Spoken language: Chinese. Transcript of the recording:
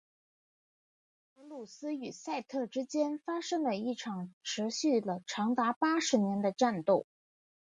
在荷鲁斯与赛特之间发生了一场持续了长达八十年的战斗。